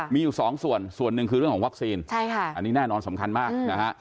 มีอยู่สองส่วนส่วนหนึ่งคือเรื่องของวัคซีนใช่ค่ะอันนี้แน่นอนสำคัญมากนะฮะ